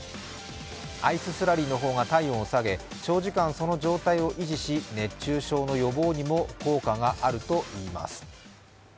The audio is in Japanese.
アイススラリーの方が体温を下げ長時間、その状態を維持し、熱中症の予防にも効果があるといいます。